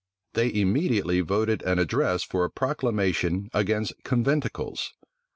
They immediately voted an address for a proclamation against conventicles.